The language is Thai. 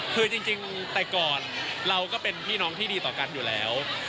คือจริงแต่ก่อนเราก็เป็นพี่น้องที่ดีต่อกันอยู่แล้ว